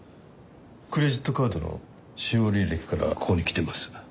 クレジットカードの使用履歴からここに来てます。